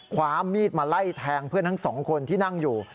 ความมีดมาไล่แทงเพื่อนทั้งสองคนที่นั่งอยู่